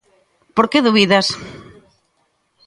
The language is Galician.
Por que dubidas?